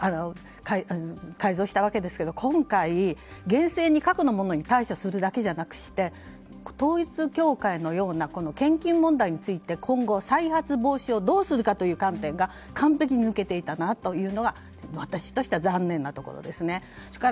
改造したわけですけど今回厳正に過去の問題に対処するだけじゃなくて統一教会のような献金問題について今後、再発防止をどうするかという観点が完璧に抜けていたなというのが私としては残念なところですね。